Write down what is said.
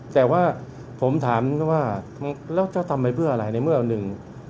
แต่ว่าผมถามว่าแล้วจะทำไปเพื่ออะไรในเมื่อหนึ่ง